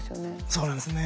そうなんですね。